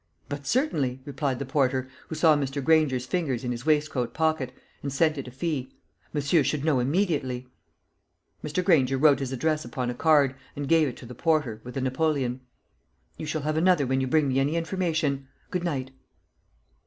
"But certainly," replied the porter, who saw Mr. Granger's fingers in his waistcoat pocket, and scented a fee, "monsieur should know immediately." Mr. Granger wrote his address upon a card, and gave it to the porter, with a napoleon. "You shall have another when you bring me any information. Good night."